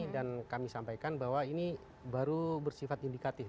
dan kami sampaikan bahwa ini baru bersifat indikatif